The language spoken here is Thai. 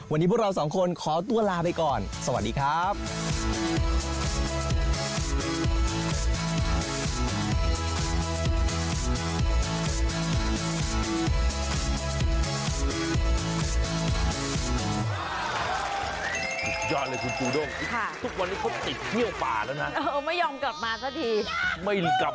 วันนี้พวกเราสองคนขอตัวลาไปก่อนสวัสดีครับ